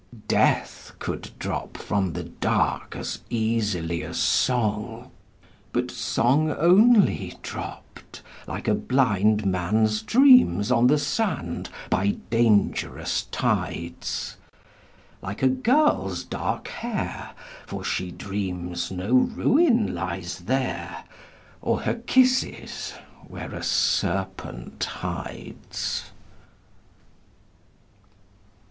Death could drop from the dark As easily as songâ But song only dropped, Like a blind man's dreams on the sand By dangerous tides ; Like a girl's dark hair, for she dreams no ruin lies there, Or her kisses where a serpent hides.